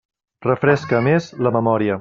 Refresca, a més, la memòria.